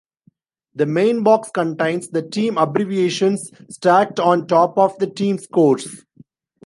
The main box contains the team abbreviations, stacked on top of the team scores.